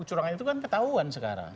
kecurangan itu kan ketahuan sekarang